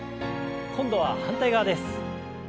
今度は反対側です。